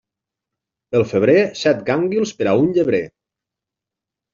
Pel febrer, set gànguils per a un llebrer.